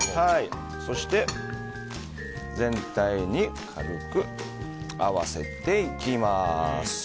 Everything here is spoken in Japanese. そして全体に軽く合わせていきます。